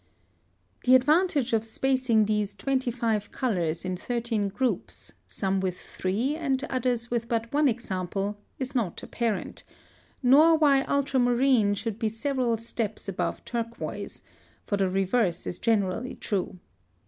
The advantage of spacing these 25 colors in 13 groups, some with three and others with but one example, is not apparent; nor why ultramarine should be several steps above turquoise, for the reverse is generally true.